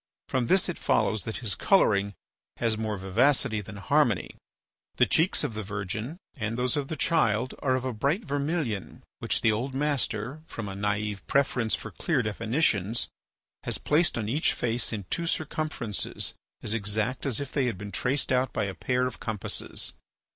From this it follows that his colouring has more vivacity than harmony. The cheeks of the Virgin and those of the Child are of a bright vermilion which the old master, from a naïve preference for clear definitions, has placed on each face in two circumferences as exact as if they had been traced out by a pair of compasses.